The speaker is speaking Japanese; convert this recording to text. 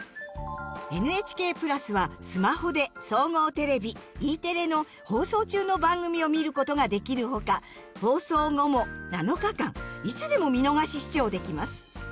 ＮＨＫ＋はスマホで総合テレビＥテレの放送中の番組を見ることができるほか放送後も７日間いつでも見逃し視聴できます。